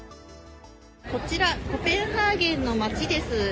こちら、コペンハーゲンの街です。